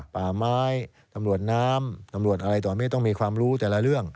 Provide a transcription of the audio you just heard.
ป่าไม้ตำรวจน้ำตำรวจอะไรตอนนี้ต้องมีความรู้แต่ละเรื่อง